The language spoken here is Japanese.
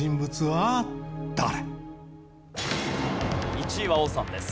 １位は王さんです。